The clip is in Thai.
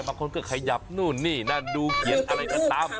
บางคนก็ขยับนู่นนี่นั่นดูเขียนอะไรก็ตาม